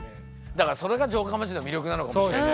だからそれが城下町の魅力なのかもしれないけど。